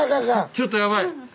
ちょっとやばい！